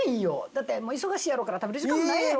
だって忙しいやろうから食べる時間もないやろ？